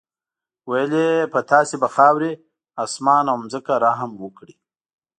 ویل یې په تاسې به خاورې، اسمان او ځمکه رحم وکړي.